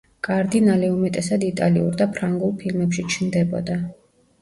კარდინალე უმეტესად იტალიურ და ფრანგულ ფილმებში ჩნდებოდა.